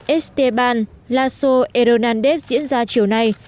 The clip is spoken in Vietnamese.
esteban lasso hernández diễn ra chiều nay